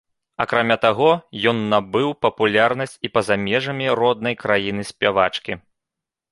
Акрамя таго, ён набыў папулярнасць і па-за межамі роднай краіны спявачкі.